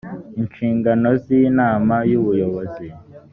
inshingano z inama y ubuyobozi